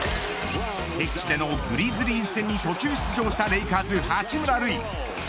敵地でのグリズリーズ戦に途中出場したレイカーズ八村塁。